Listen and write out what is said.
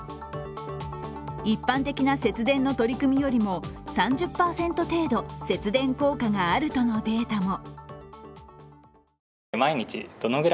一般的な節電の取り組みよりも３０％程度、節電効果があるとのデータも。